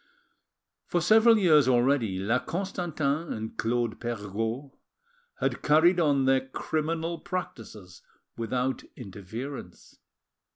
For several years already La Constantin and Claude Perregaud had carried on their criminal practices without interference.